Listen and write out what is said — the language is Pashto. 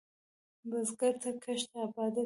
بزګر ته کښت عبادت دی